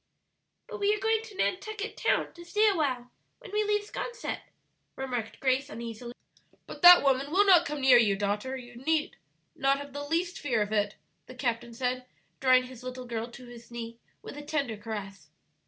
"But we are going to Nantucket Town to stay a while when we leave 'Sconset," remarked Grace uneasily. "But that woman will not come near you, daughter; you need, not have the least fear of it," the captain said, drawing his little girl to his knee with a tender caress.